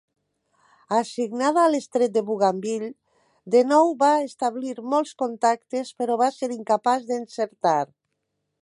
Assignada a l'estret de Bougainville, de nou va establir molts contactes, però va ser incapaç d'encertar.